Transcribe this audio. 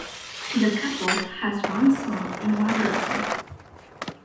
The couple has one son and one daughter.